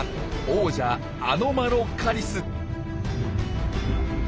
王者アノマロカリス！